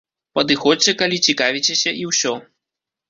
Падыходзьце, калі цікавіцеся, і ўсё.